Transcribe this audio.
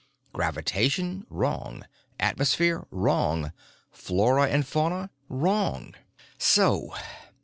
Gravitation, wrong; atmosphere, wrong; flora and fauna, wrong. So.